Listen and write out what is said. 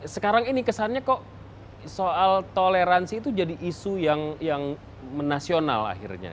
sekarang ini kesannya kok soal toleransi itu jadi isu yang menasional akhirnya